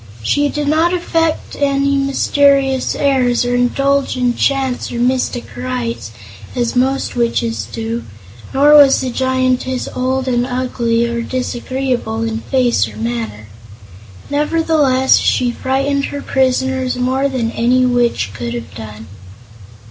She did not affect any mysterious airs or indulge in chants or mystic rites, as most witches do, nor was the Giantess old and ugly or disagreeable in face or manner. Nevertheless, she frightened her prisoners more than any witch could have done.